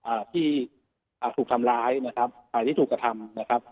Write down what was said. อ่าที่อ่าถูกทำร้ายนะครับอ่าที่ถูกกระทำนะครับ